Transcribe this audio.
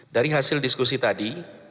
dari hasil diskusi tadi